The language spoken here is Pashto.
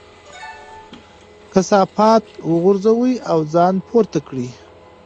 کثافات وغورځوئ او ځان پورته کړئ.